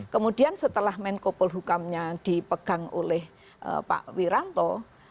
kemudian setelah menkopol hukamnya dipegang oleh pak wiranto